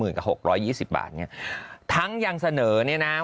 หมื่นกว่าหกร้อยยี่สิบบาทเนี่ยทั้งยังเสนอเนี่ยนะ